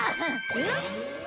えっ？